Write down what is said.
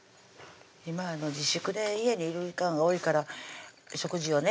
今自粛で家にいる時間が多いから食事をね